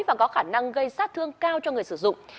và có khả năng gây sát thương cao cho người sử dụng